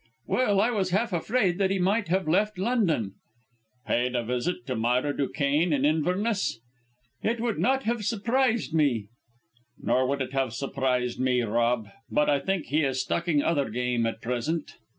"Well, I was half afraid that he might have left London." "Paid a visit to Myra Duquesne in Inverness?" "It would not have surprised me." "Nor would it have surprised me, Rob, but I think he is stalking other game at present."